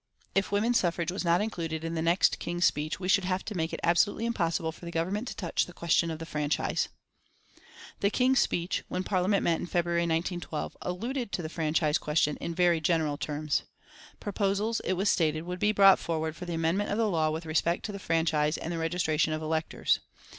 If women's suffrage was not included in the next King's speech we should have to make it absolutely impossible for the Government to touch the question of the franchise. The King's speech, when Parliament met in February, 1912, alluded to the franchise question in very general terms. Proposals, it was stated, would be brought forward for the amendment of the law with respect to the franchise and the registration of electors.